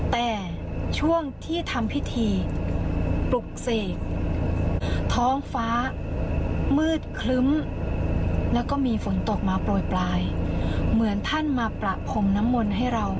แต่ช่วงที่ทำพิธีปลุกเสกท้องฟ้ามืดคลึ้มแล้วก็มีฝนตกมาโปรยปลายเหมือนท่านมาประพรมน้ำมนต์ให้เรา